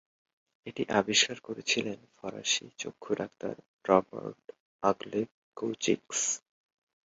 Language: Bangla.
এটি আবিষ্কার করেছিলেন ফরাসি চক্ষু-ডাক্তার রবার্ট-আগলে কৌচিক্স।